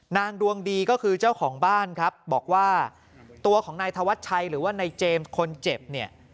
นางดวงดีก็คือเจ้าของบ้านครับบอกว่าตัวของนายธวัชชัยหรือว่านายเจมส์คนเจ็บเนี่ย